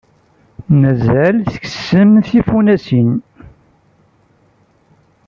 Mazal tkessem tifunasin?